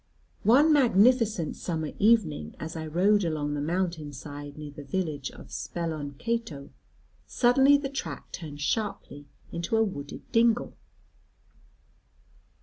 One magnificent summer evening, as I rode along the mountain side near the village of Speloncato, suddenly the track turned sharply into a wooded dingle.